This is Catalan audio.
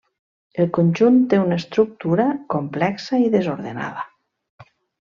El conjunt té una estructura complexa i desordenada.